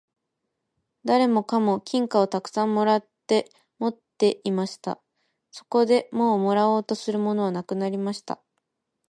誰もかも金貨をたくさん貰って持っていました。そこでもう貰おうとするものはなくなりました。